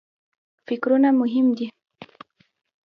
فکرونه مهم دي.